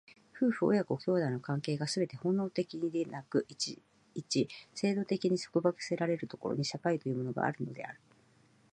夫婦親子兄弟の関係がすべて本能的でなく、一々制度的に束縛せられる所に、社会というものがあるのである。